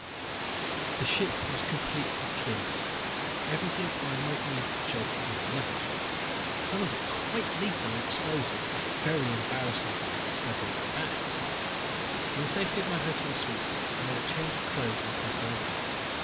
The ship was completely clean. Everything I might need for the job was in my luggage. Some of it quite lethal and explosive, and very embarrassing if it was discovered in my bags. In the safety of my hotel suite I made a change of clothes and personality.